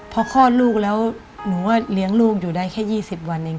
พอคลอดลูกแล้วหนูก็เลี้ยงลูกอยู่ได้แค่๒๐วันเอง